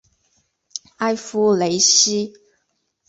埃夫雷西。